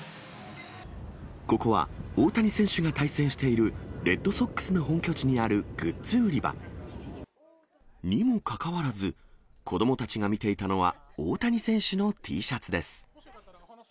ここは大谷選手が対戦しているレッドソックスの本拠地にあるグッズ売り場。にもかかわらず、子どもたちが見ていたのは大谷選手のＴシャツです。